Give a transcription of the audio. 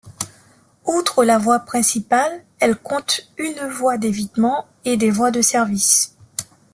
Outre la voie principale, elle compte une voie d'évitement et des voies de service.